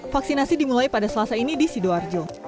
vaksinasi dimulai pada selasa ini di sidoarjo